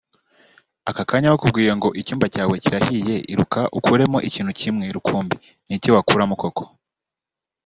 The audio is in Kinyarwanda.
Aka kanya bakubwiye ngo icyumba cyawe kirahiye iruka ukuremo ikintu kimwe rukumbi ni iki wakuramo koko